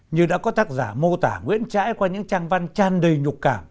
như đã có tác giả mô tả nguyễn trãi qua những trang văn tràn đầy nhục cảm